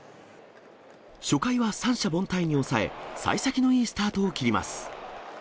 初回は三者凡退に抑え、さい先のいいスタートを切ります。